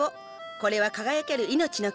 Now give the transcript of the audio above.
これは輝ける命の結晶。